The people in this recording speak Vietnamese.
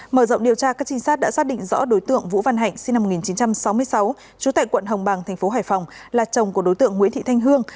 mở rộng điều tra các trinh sát đã xác định rõ đối tượng vũ văn hạnh sinh năm một nghìn chín trăm sáu mươi sáu trú tại quận hồng bằng tp hải phòng là chồng của đối tượng nguyễn thị thanh hương